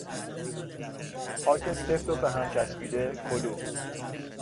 خاک سفت و به هم چسبیده، کلوخ